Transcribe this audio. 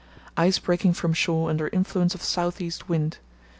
—Ice breaking from shore under influence of south east wind.